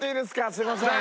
すいません。